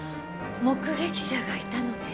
目撃者がいたのね？